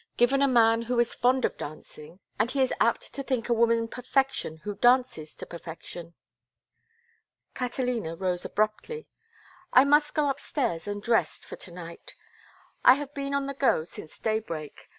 Given a man who is fond of dancing and he is apt to think a woman perfection who dances to perfection." Catalina rose abruptly. "I must go upstairs and rest for to night. I have been on the go since daybreak.